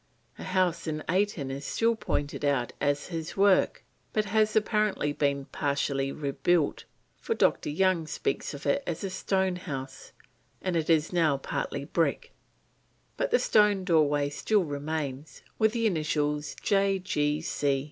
A house in Ayton is still pointed out as his work, but has apparently been partially rebuilt, for Dr. Young speaks of it as a stone house, and it is now partly brick, but the stone doorway still remains, with the initials J.